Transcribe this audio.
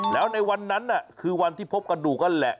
แล้วในวันนั้นคือวันที่พบกระดูกนั่นแหละ